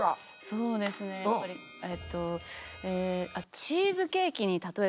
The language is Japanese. そうですねやっぱりえっとえ。